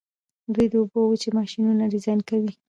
دوی د اوبو او وچې ماشینونه ډیزاین کوي.